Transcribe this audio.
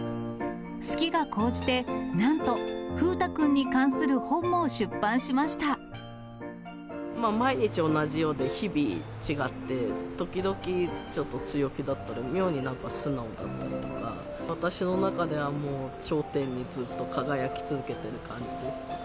好きが高じて、なんと、風太くん毎日同じようで、日々違って、時々ちょっと強気だったり、妙になんか素直だったりとか、私の中ではもう、頂点にずっと輝き続けてる感じです。